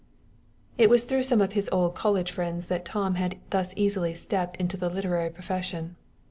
It was through some of his old college friends that Tom had thus easily stepped into the literary profession.